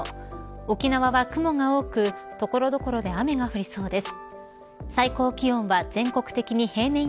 沖縄は雲が多く所々で雨が降りそうです。